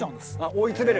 追い詰める？